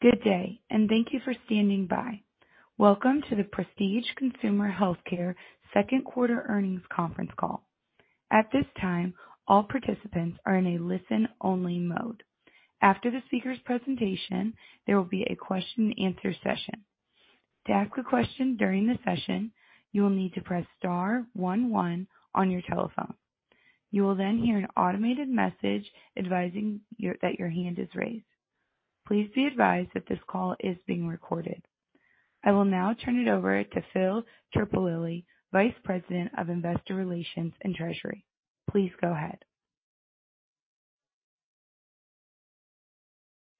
Good day, and thank you for standing by. Welcome to the Prestige Consumer Healthcare Second Quarter Earnings Conference Call. At this time, all participants are in a listen-only mode. After the speaker's presentation, there will be a question and answer session. To ask a question during the session, you will need to press star one one on your telephone. You will then hear an automated message advising that your hand is raised. Please be advised that this call is being recorded. I will now turn it over to Phil Terpolilli, Vice President of Investor Relations and Treasury. Please go ahead.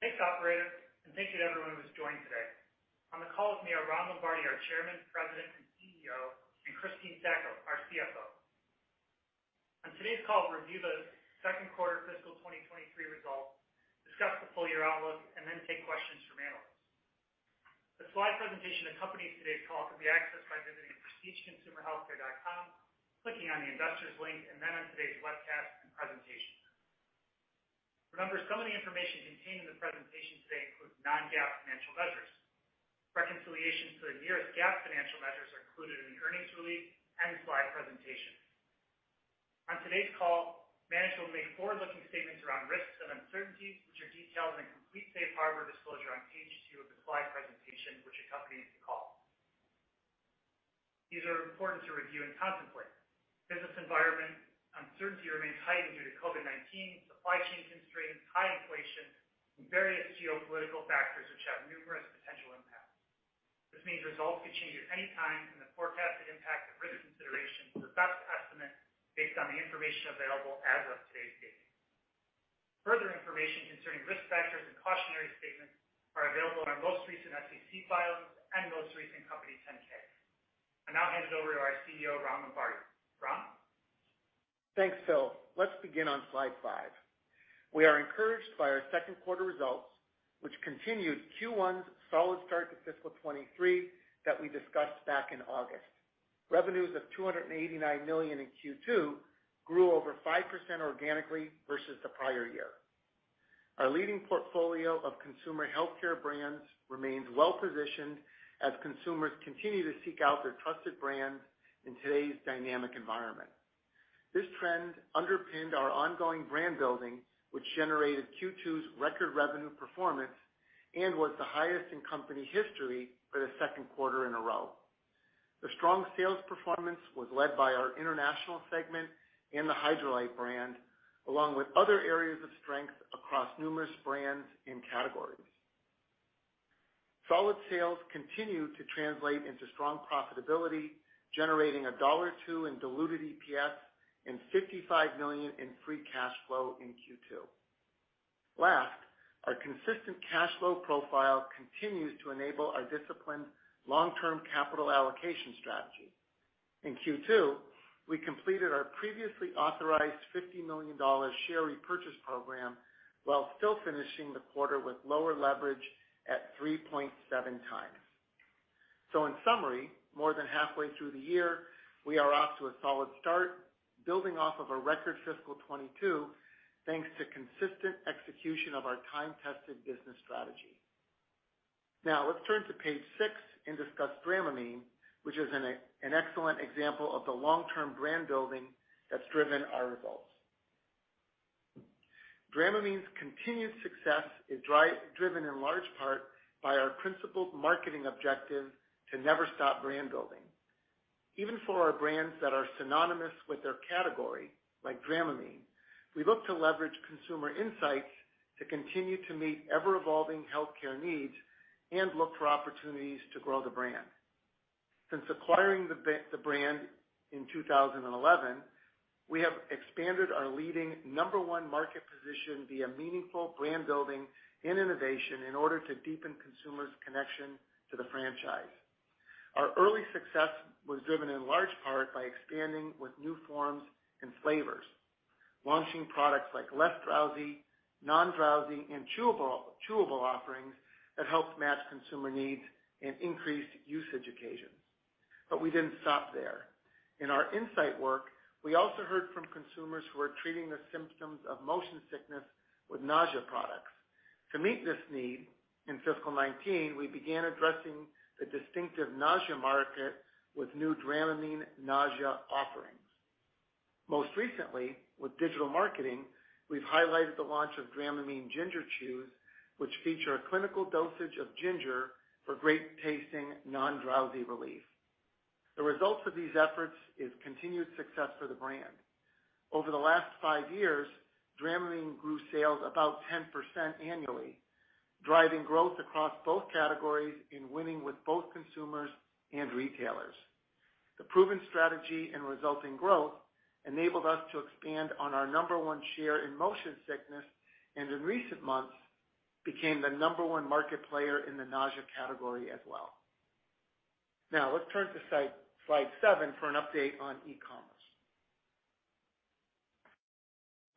Thanks, operator, and thank you to everyone who's joined today. On the call with me are Ron Lombardi, our Chairman, President, and CEO, and Christine Sacco, our CFO. On today's call, we'll review the second quarter fiscal 2023 results, discuss the full-year outlook, and then take questions from analysts. The slide presentation that accompanies today's call can be accessed by visiting prestigeconsumerhealthcare.com, clicking on the Investors link, and then on today's webcast and presentation. Remember, some of the information contained in the presentation today includes non-GAAP financial measures. Reconciliation to the nearest GAAP financial measures are included in the earnings release and the slide presentation. On today's call, management will make forward-looking statements around risks and uncertainties, which are detailed in a complete safe harbor disclosure on page 2 of the slide presentation which accompanies the call. These are important to review and contemplate. Business environment uncertainty remains heightened due to COVID-19, supply chain constraints, high inflation, and various geopolitical factors which have numerous potential impacts. This means results could change at any time, and the forecasted impact of risk considerations are the best estimate based on the information available as of today's date. Further information concerning risk factors and cautionary statements are available on our most recent SEC filings and most recent Company 10-K. I'll now hand it over to our CEO, Ron Lombardi. Ron? Thanks, Phil. Let's begin on slide five. We are encouraged by our second quarter results, which continued Q1's solid start to fiscal 2023 that we discussed back in August. Revenues of $289 million in Q2 grew over 5% organically versus the prior year. Our leading portfolio of consumer healthcare brands remains well positioned as consumers continue to seek out their trusted brands in today's dynamic environment. This trend underpinned our ongoing brand building, which generated Q2's record revenue performance and was the highest in company history for the second quarter in a row. The strong sales performance was led by our international segment and the Hydralyte brand, along with other areas of strength across numerous brands and categories. Solid sales continue to translate into strong profitability, generating $1.02 in diluted EPS and $55 million in free cash flow in Q2. Last, our consistent cash flow profile continues to enable our disciplined long-term capital allocation strategy. In Q2, we completed our previously authorized $50 million share repurchase program while still finishing the quarter with lower leverage at 3.7 times. In summary, more than halfway through the year, we are off to a solid start, building off of a record fiscal 2022, thanks to consistent execution of our time-tested business strategy. Now, let's turn to page 6 and discuss Dramamine, which is an excellent example of the long-term brand building that's driven our results. Dramamine's continued success is driven in large part by our principled marketing objective to never stop brand building. Even for our brands that are synonymous with their category, like Dramamine, we look to leverage consumer insights to continue to meet ever-evolving healthcare needs and look for opportunities to grow the brand. Since acquiring the brand in 2011, we have expanded our leading number one market position via meaningful brand building and innovation in order to deepen consumers' connection to the franchise. Our early success was driven in large part by expanding with new forms and flavors. Launching products like Less Drowsy, Non-Drowsy, and chewable offerings that helped match consumer needs and increased usage occasions. We didn't stop there. In our insight work, we also heard from consumers who are treating the symptoms of motion sickness with nausea products. To meet this need, in fiscal 2019, we began addressing the distinctive nausea market with new Dramamine nausea offerings. Most recently, with digital marketing, we've highlighted the launch of Dramamine Ginger Chews, which feature a clinical dosage of ginger for great-tasting, non-drowsy relief. The results of these efforts is continued success for the brand. Over the last five years, Dramamine grew sales about 10% annually, driving growth across both categories in winning with both consumers and retailers. The proven strategy and resulting growth enabled us to expand on our number one share in motion sickness, and in recent months, became the number one market player in the nausea category as well. Now, let's turn to slide seven for an update on e-commerce.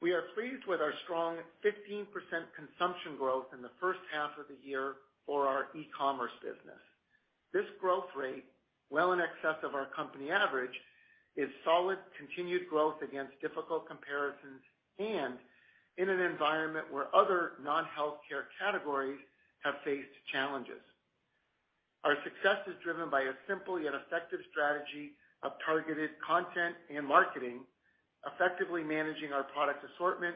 We are pleased with our strong 15% consumption growth in the H1 of the year for our e-commerce business. This growth rate, well in excess of our company average, is solid, continued growth against difficult comparisons and in an environment where other non-healthcare categories have faced challenges. Our success is driven by a simple yet effective strategy of targeted content and marketing, effectively managing our product assortment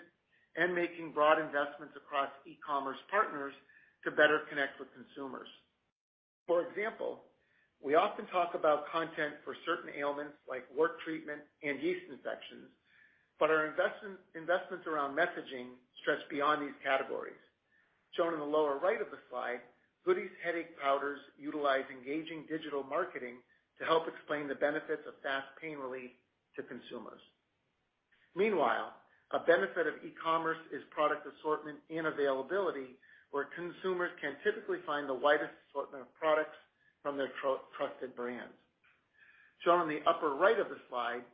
and making broad investments across e-commerce partners to better connect with consumers. For example, we often talk about content for certain ailments like wart treatment and yeast infections, but our investments around messaging stretch beyond these categories. Shown in the lower right of the slide, Goody's headache powders utilize engaging digital marketing to help explain the benefits of fast pain relief to consumers. Meanwhile, a benefit of e-commerce is product assortment and availability, where consumers can typically find the widest assortment of products from their trusted brands. Shown on the upper right of the slide,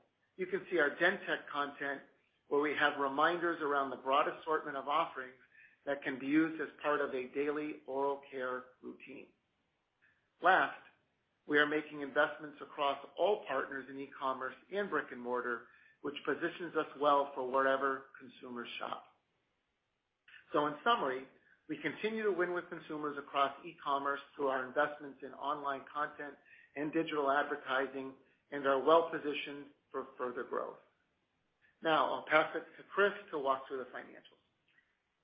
you can see our DenTek content, where we have reminders around the broad assortment of offerings that can be used as part of a daily oral care routine. Last, we are making investments across all partners in e-commerce and brick-and-mortar, which positions us well for wherever consumers shop. In summary, we continue to win with consumers across e-commerce through our investments in online content and digital advertising, and are well-positioned for further growth. Now I'll pass it to Chris to walk through the financials.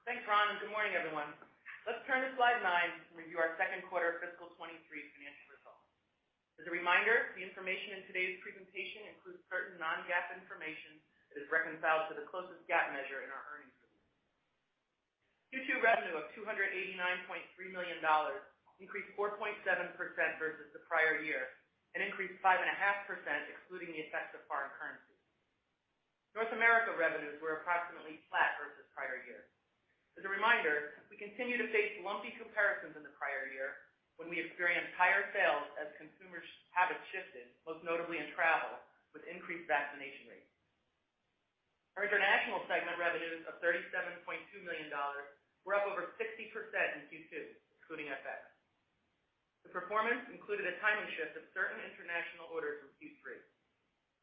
Thanks, Ron, and good morning, everyone. Let's turn to slide 9 and review our Q2 fiscal 2023 financial results. As a reminder, the information in today's presentation includes certain non-GAAP information that is reconciled to the closest GAAP measure in our earnings. Q2 revenue of $289.3 million increased 4.7% versus the prior year and increased 5.5% excluding the effects of foreign currency. North America revenues were approximately flat versus prior year. As a reminder, we continue to face lumpy comparisons in the prior year when we experienced higher sales as consumers' habits shifted, most notably in travel, with increased vaccination rates. Our international segment revenues of $37.2 million were up over 60% in Q2, including FX. The performance included a timing shift of certain international orders from Q3.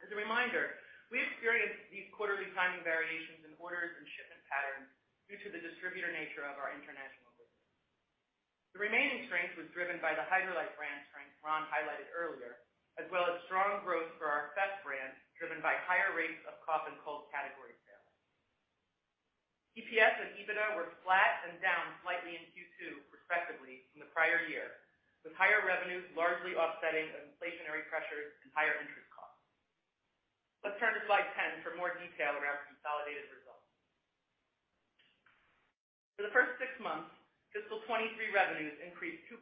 As a reminder, we experienced these quarterly timing variations in orders and shipment patterns due to the distributor nature of our international business. The remaining strength was driven by the Hydralyte brand strength Ron highlighted earlier, as well as strong growth for our Fess brand, driven by higher rates of cough and cold category sales. EPS and EBITDA were flat and down slightly in Q2, respectively, from the prior year, with higher revenues largely offsetting inflationary pressures and higher interest costs. Let's turn to slide 10 for more detail around consolidated results. For the first six months, fiscal 2023 revenues increased 2.2%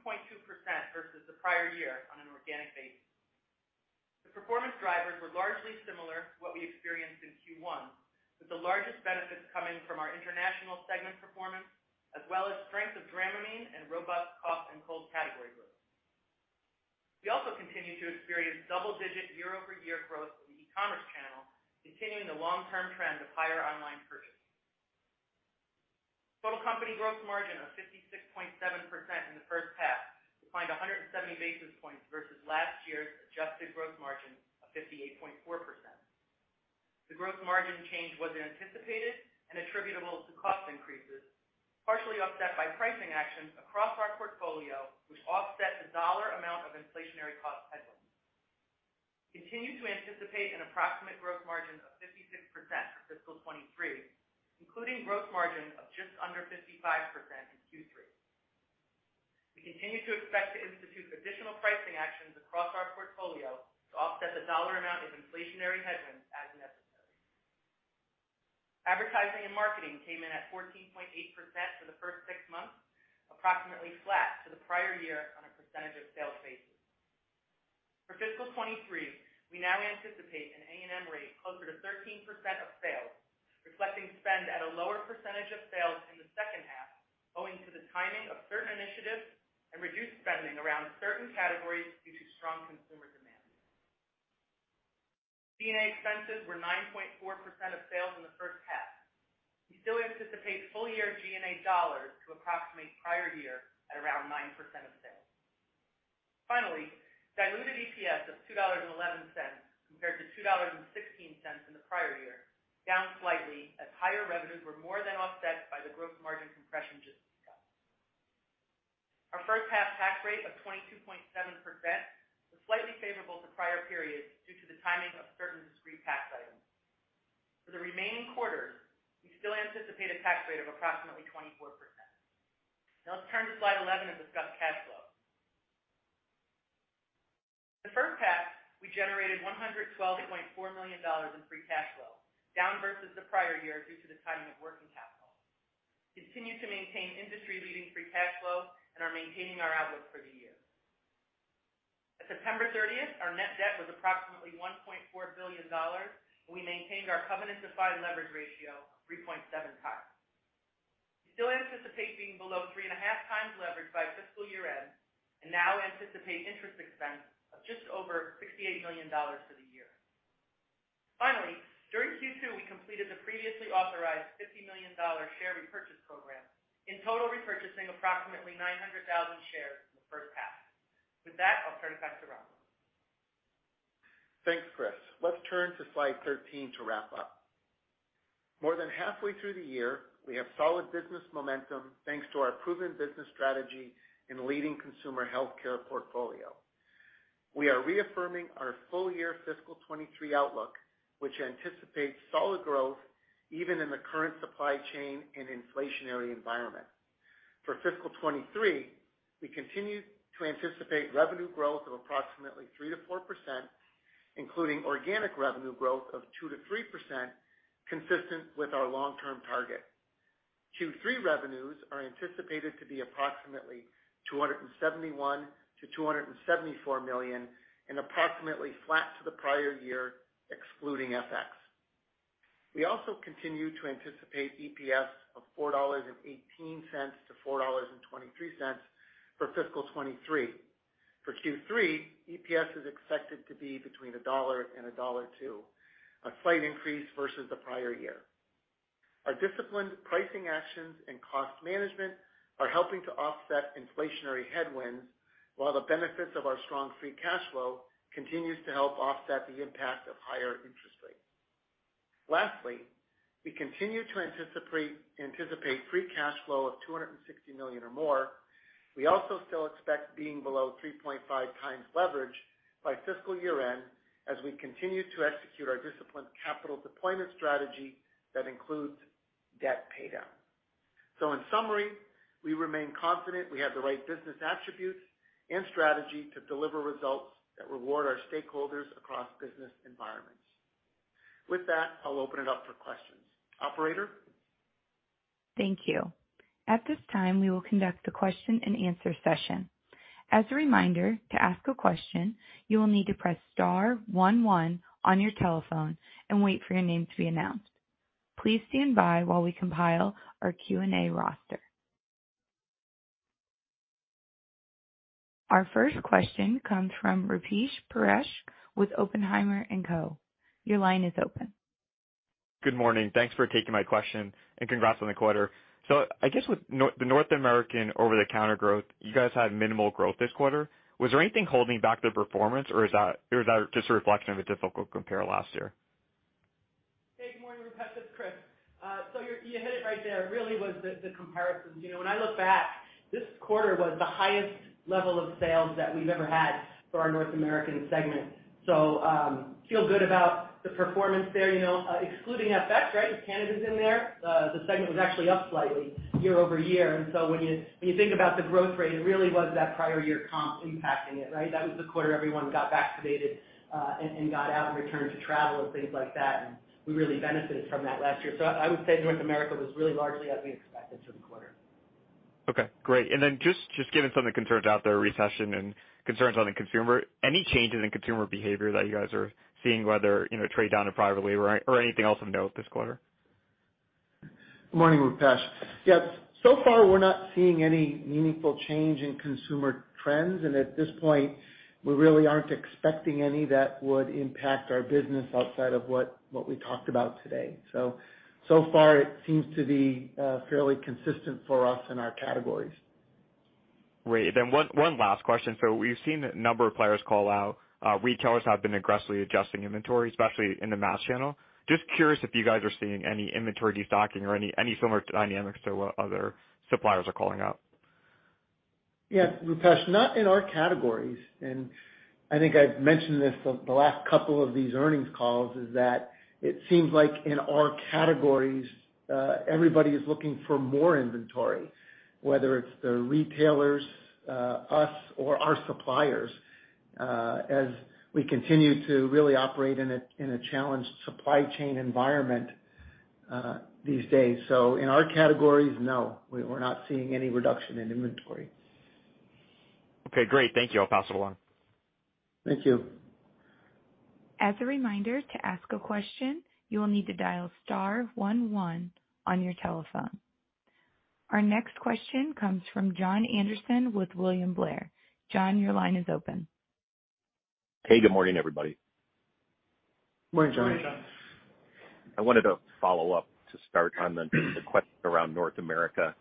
versus the prior year on an organic basis. The performance drivers were largely similar to what we experienced in Q1, with the largest benefits coming from our international segment performance, as well as strength of Dramamine and robust cough and cold category growth. We also continued to experience double-digit year-over-year growth in the e-commerce channel, continuing the long-term trend of higher online purchases. Total company gross margin of 56.7% in the H1 declined 170 basis points versus last year's adjusted gross margin of 58.4%. The gross margin change was anticipated and attributable to cost increases, partially offset by pricing actions across our portfolio, which offset the dollar amount of inflationary cost headwinds. We continue to anticipate an approximate gross margin of 56% for fiscal 2023, including gross margin of just under 55% in Q3. We continue to expect to institute additional pricing actions across our portfolio to offset the dollar amount of inflationary headwinds as necessary. Advertising and marketing came in at 14.8% for the first six months, approximately flat to the prior year on a percentage of sales basis. For fiscal 2023, we now anticipate an A&M rate closer to 13% of sales, reflecting spend at a lower percentage of sales in the H2, owing to the timing of certain initiatives and reduced spending around certain categories due to strong consumer demand. G&A expenses were 9.4% of sales in the H1. We still anticipate full-year G&A dollars to approximate prior year at around 9% of sales. Finally, diluted EPS of $2.11 compared to $2.16 in the prior year, down slightly as higher revenues were more than offset by the growth margin compression just discussed. Our H1 tax rate of 22.7% was slightly favorable to prior periods due to the timing of certain discrete tax items. For the remaining quarters, we still anticipate a tax rate of approximately 24%. Now let's turn to slide 11 and discuss cash flow. In the H1, we generated $112.4 million in free cash flow, down versus the prior year due to the timing of working capital. We continue to maintain industry-leading free cash flow and are maintaining our outlook for the year. At September 30th, our net debt was approximately $1.4 billion, and we maintained our covenant-defined leverage ratio of 3.7x. We still anticipate being below 3.5x leverage by fiscal year-end and now anticipate interest expense of just over $68 million for the year. Finally, during Q2, we completed the previously authorized $50 million share repurchase program, in total repurchasing approximately 900,000 shares in the H1. With that, I'll turn it back to Ronald. Thanks, Chris. Let's turn to slide 13 to wrap up. More than halfway through the year, we have solid business momentum thanks to our proven business strategy and leading consumer healthcare portfolio. We are reaffirming our full year fiscal 2023 outlook, which anticipates solid growth even in the current supply chain and inflationary environment. For fiscal 2023, we continue to anticipate revenue growth of approximately 3%-4%, including organic revenue growth of 2%-3%, consistent with our long-term target. Q3 revenues are anticipated to be approximately $271 million-$274 million and approximately flat to the prior year, excluding FX. We also continue to anticipate EPS of $4.18-$4.23 for fiscal 2023. For Q3, EPS is expected to be between $1 and $1.02, a slight increase versus the prior year. Our disciplined pricing actions and cost management are helping to offset inflationary headwinds, while the benefits of our strong free cash flow continues to help offset the impact of higher interest rates. Lastly, we continue to anticipate free cash flow of $260 million or more. We also still expect being below 3.5x leverage by fiscal year-end, as we continue to execute our disciplined capital deployment strategy that includes debt paydown. In summary, we remain confident we have the right business attributes and strategy to deliver results that reward our stakeholders across business environments. With that, I'll open it up for questions. Operator? Thank you. At this time, we will conduct the question-and-answer session. As a reminder, to ask a question, you will need to press star one one on your telephone and wait for your name to be announced. Please stand by while we compile our Q&A roster. Our first question comes from Rupesh Parikh with Oppenheimer & Co. Your line is open. Good morning. Thanks for taking my question and congrats on the quarter. I guess with the North American over-the-counter growth, you guys had minimal growth this quarter. Was there anything holding back the performance, or is that just a reflection of a difficult compare last year? Hey, good morning, Rupesh. It's Chris. You hit it right there. It really was the comparisons. You know, when I look back, this quarter was the highest level of sales that we've ever had for our North American segment. Feel good about the performance there, you know, excluding FX, right? If Canada's in there, the segment was actually up slightly year-over-year. When you think about the growth rate, it really was that prior year comp impacting it, right? That was the quarter everyone got vaccinated and got out and returned to travel and things like that, and we really benefited from that last year. I would say North America was really largely as we expected for the quarter. Okay, great. Just given some of the concerns out there, recession and concerns on the consumer, any changes in consumer behavior that you guys are seeing, whether, you know, trade down to private label or anything else of note this quarter? Good morning, Rupesh. Yes. So far, we're not seeing any meaningful change in consumer trends. At this point, we really aren't expecting any that would impact our business outside of what we talked about today. So far it seems to be fairly consistent for us in our categories. Great. One last question. We've seen a number of players call out, retailers have been aggressively adjusting inventory, especially in the mass channel. Just curious if you guys are seeing any inventory destocking or any similar dynamics to what other suppliers are calling out. Yeah, Rupesh, not in our categories. I think I've mentioned this the last couple of these earnings calls is that it seems like in our categories, everybody is looking for more inventory, whether it's the retailers, us or our suppliers, as we continue to really operate in a challenged supply chain environment these days. In our categories, no, we're not seeing any reduction in inventory. Okay, great. Thank you. I'll pass it along. Thank you. As a reminder, to ask a question, you will need to dial star one one on your telephone. Our next question comes from Jon Andersen with William Blair. Jon, your line is open. Hey, good morning, everybody. Morning, Jon. Morning, Jon. I wanted to follow up to start on the question around North America.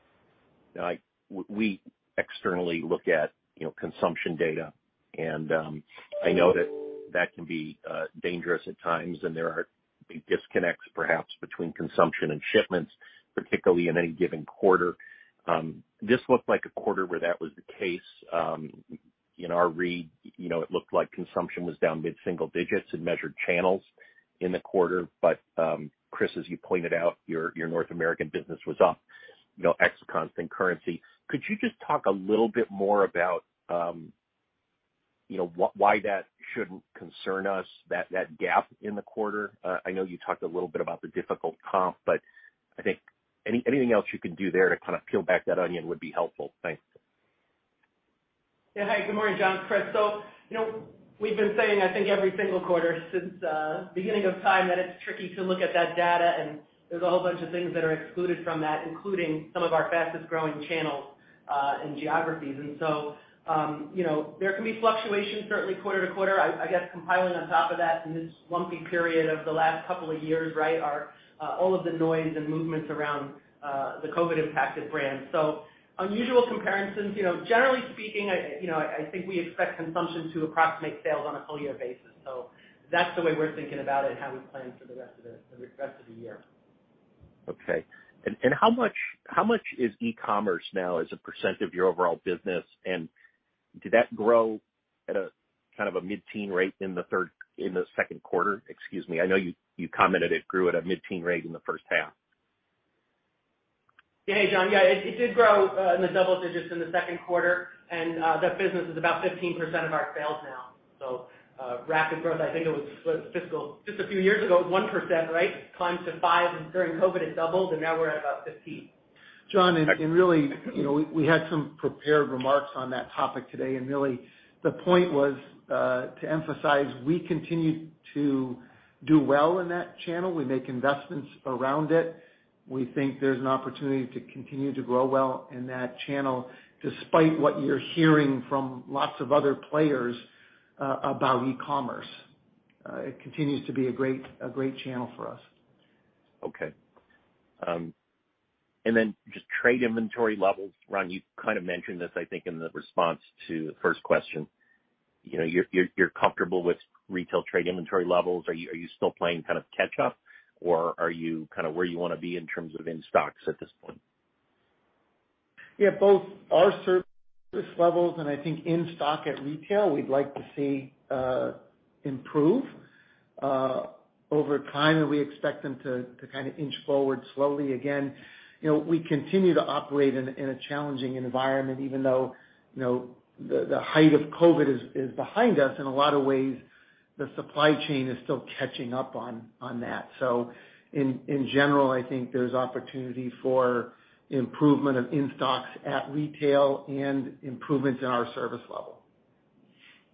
We externally look at, you know, consumption data, and I know that can be dangerous at times, and there are disconnects, perhaps, between consumption and shipments, particularly in any given quarter. This looked like a quarter where that was the case. In our read, you know, it looked like consumption was down mid-single digits% in measured channels in the quarter. Chris, as you pointed out, your North American business was up, you know, ex constant currency. Could you just talk a little bit more about, you know, why that shouldn't concern us, that gap in the quarter? I know you talked a little bit about the difficult comp, but I think anything else you can do there to kind of peel back that onion would be helpful. Thanks. Yeah. Hi, good morning, Jon. It's Chris. You know, we've been saying, I think every single quarter since beginning of time that it's tricky to look at that data, and there's a whole bunch of things that are excluded from that, including some of our fastest-growing channels in geographies. You know, there can be fluctuations certainly quarter to quarter. I guess compiling on top of that in this lumpy period of the last couple of years, right, are all of the noise and movements around the COVID impacted brands. Unusual comparisons. You know, generally speaking, I think we expect consumption to approximate sales on a full year basis. That's the way we're thinking about it and how we plan for the rest of the year. Okay. How much is e-commerce now as a percent of your overall business? Did that grow at a kind of a mid-teen rate in the second quarter? Excuse me. I know you commented it grew at a mid-teen rate in the H1. Yeah. Jon, yeah, it did grow in the double digits in the second quarter, and that business is about 15% of our sales now. Rapid growth, I think it was fiscal just a few years ago, 1%, right? Climbed to 5% during COVID, it doubled, and now we're at about 15%. Jon, really, you know, we had some prepared remarks on that topic today. Really, the point was to emphasize we continue to do well in that channel. We make investments around it. We think there's an opportunity to continue to grow well in that channel, despite what you're hearing from lots of other players about e-commerce. It continues to be a great channel for us. Okay. And then just trade inventory levels. Ron, you kind of mentioned this, I think, in the response to the first question. You know, you're comfortable with retail trade inventory levels. Are you still playing kind of catch up, or are you kind of where you wanna be in terms of in-stocks at this point? Yeah, both our service levels and I think in-stock at retail, we'd like to see improve over time, and we expect them to kind of inch forward slowly again. You know, we continue to operate in a challenging environment. Even though, you know, the height of COVID is behind us, in a lot of ways, the supply chain is still catching up on that. So in general, I think there's opportunity for improvement of in-stocks at retail and improvements in our service level.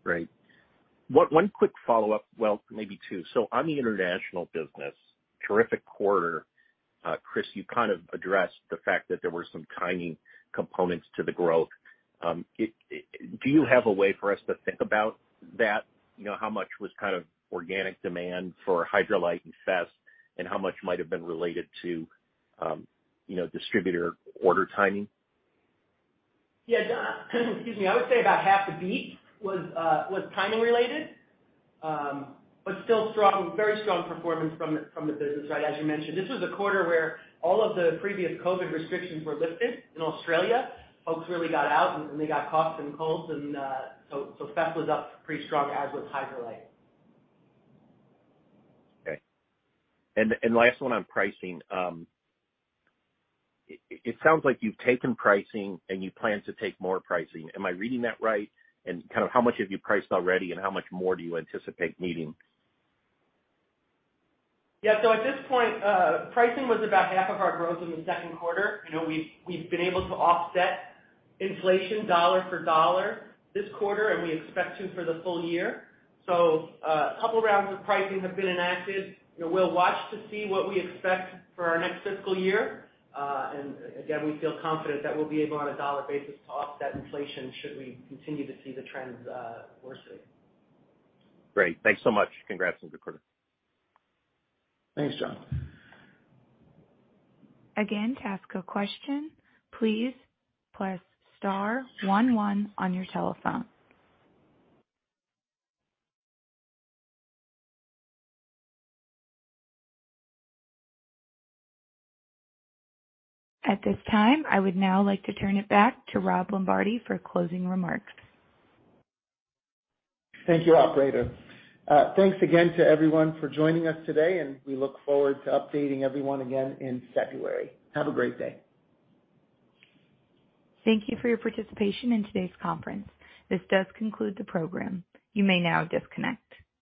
Great. One quick follow-up. Well, maybe two. On the international business, terrific quarter. Chris, you kind of addressed the fact that there were some timing components to the growth. Do you have a way for us to think about that? You know, how much was kind of organic demand for Hydralyte and Fess, and how much might have been related to, you know, distributor order timing? Yeah, John, excuse me. I would say about half the beat was timing related. Still strong, very strong performance from the business, right? As you mentioned, this was a quarter where all of the previous COVID restrictions were lifted in Australia. Folks really got out, and they got coughs and colds and so Fess was up pretty strong, as was Hydralyte. Okay. Last one on pricing. It sounds like you've taken pricing and you plan to take more pricing. Am I reading that right? Kind of how much have you priced already, and how much more do you anticipate needing? Yeah. At this point, pricing was about half of our growth in the second quarter. You know, we've been able to offset inflation dollar for dollar this quarter, and we expect to for the full year. A couple rounds of pricing have been enacted. You know, we'll watch to see what we expect for our next fiscal year. Again, we feel confident that we'll be able on a dollar basis to offset inflation should we continue to see the trends worsen. Great. Thanks so much. Congrats on the quarter. Thanks, Jon. Again, to ask a question, please press star one one on your telephone. At this time, I would now like to turn it back to Ron Lombardi for closing remarks. Thank you, operator. Thanks again to everyone for joining us today, and we look forward to updating everyone again in February. Have a great day. Thank you for your participation in today's con`ference. This does conclude the program. You may now disconnect.